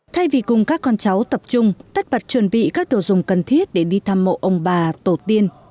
thay vì cùng các con cháu tập trung tất bật chuẩn bị các đồ dùng cần thiết để đi thăm mộ ông bà tổ tiên